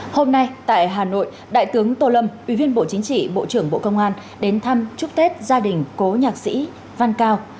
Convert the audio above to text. hôm nay tại hà nội đại tướng tô lâm ủy viên bộ chính trị bộ trưởng bộ công an đến thăm chúc tết gia đình cố nhạc sĩ văn cao